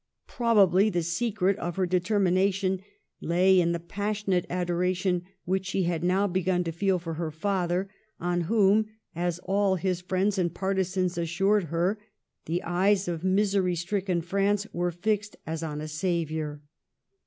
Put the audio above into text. Probably the secret of her de termination lay in the passionate adoration which she had now begun to feel for her father, on whom — as all his friends and partisans assured her — the eyes of misery stricken France were fixed as on a savior.